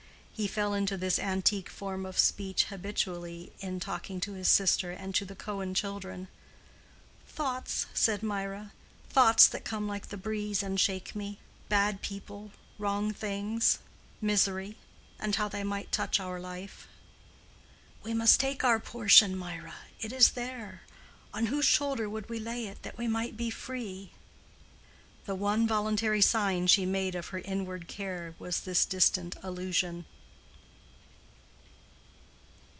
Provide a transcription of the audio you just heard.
He fell into this antique form of speech habitually in talking to his sister and to the Cohen children. "Thoughts," said Mirah; "thoughts that come like the breeze and shake me—bad people, wrong things, misery—and how they might touch our life." "We must take our portion, Mirah. It is there. On whose shoulder would we lay it, that we might be free?" The one voluntary sign she made of her inward care was this distant allusion.